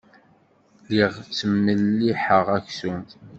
Lliɣ ttmelliḥeɣ aksum.